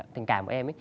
tình cảm của em í